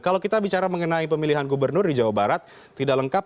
kalau kita bicara mengenai pemilihan gubernur di jawa barat tidak lengkap